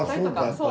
そう。